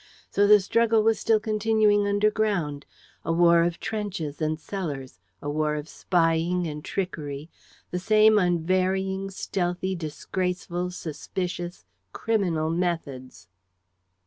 So the struggle was still continuing underground: a war of trenches and cellars, a war of spying and trickery, the same unvarying, stealthy, disgraceful, suspicious, criminal methods.